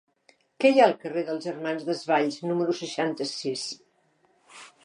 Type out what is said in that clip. Què hi ha al carrer dels Germans Desvalls número seixanta-sis?